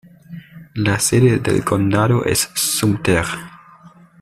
La sede del condado es Sumter.